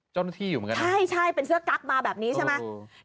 เจ้าหน้าที่อยู่เหมือนกันใช่ใช่เป็นเสื้อกั๊กมาแบบนี้ใช่ไหม